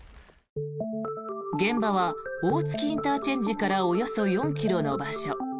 現場は大月ＩＣからおよそ４ｋｍの場所。